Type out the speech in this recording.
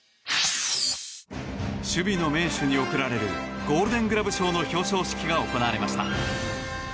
守備の名手に贈られるゴールデン・グラブ賞の表彰式が行われました。